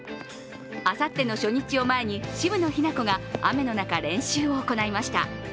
あさっての初日を前に渋野日向子が雨の中、練習を行いました。